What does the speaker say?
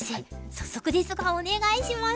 早速ですがお願いします。